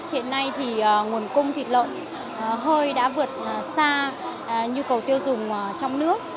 hiện nay thì nguồn cung thịt lợn hơi đã vượt xa nhu cầu tiêu dùng trong nước